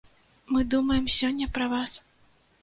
Мы думаем сёння пра вас.